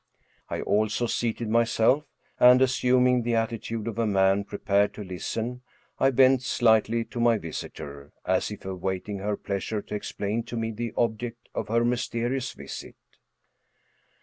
I also seated myself, and assuming the attitude of a man prepared to listen, I bent slightly to my visitor, as if awaiting her pleasure to explain to me the object of her mysterious visit.